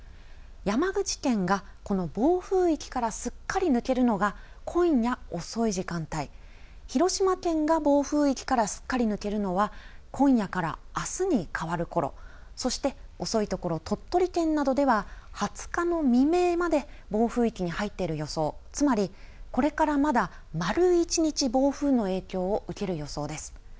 山口県がこの暴風域からすっかり抜けるのが今夜遅い時間帯、広島県が暴風域からすっかり抜けるのは今夜からあすに変わるころ、そして遅いところ鳥取県などでは２０日の未明まで暴風域に入っている予想、つまりこれからまだ丸一日暴風の影響を受ける予想です。